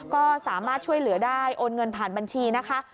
ก็สามารถช่วยเหลือได้โอนเงินผ่านบัญชีนะคะ